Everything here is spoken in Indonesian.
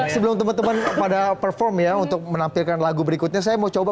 sebelum teman teman pada perform ya untuk menampilkan lagu berikutnya saya mau coba